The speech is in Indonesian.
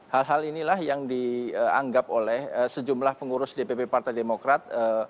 hal hal inilah yang dianggap oleh sejumlah pengurus dpp partai demokrat